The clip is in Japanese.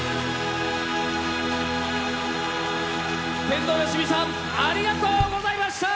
天童よしみさんありがとうございました。